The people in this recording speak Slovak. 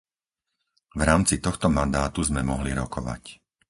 V rámci tohto mandátu sme mohli rokovať.